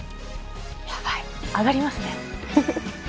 やばい、あがりますね。